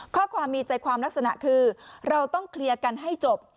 ข้อความมีใจความลักษณะคือเราต้องเคลียร์กันให้จบ